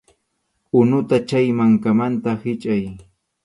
Unuta chay mankamanta hichʼay.